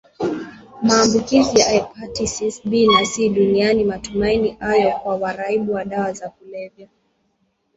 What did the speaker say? maambukizi ya Hepatatis B na C dunianiMatumaini yapo kwa waraibu wa dawa za kulevya